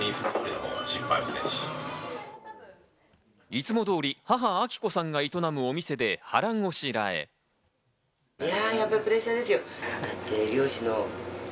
いつも通り、母・昭子さんが営むお店で腹ごしらえ。